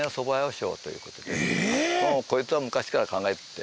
こいつは昔から考えてきて。